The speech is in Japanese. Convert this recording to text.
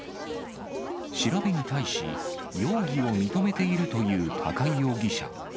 調べに対し、容疑を認めているという高井容疑者。